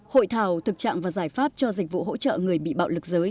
hội thảo thực trạng và giải pháp cho dịch vụ hỗ trợ người bị bạo lực giới